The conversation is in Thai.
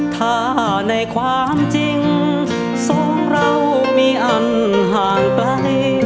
ถ้าในความจริงสองเรามีอันห่างไป